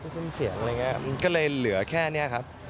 สิ้นเสียงอะไรอย่างนี้มันก็เลยเหลือแค่นี้ครับ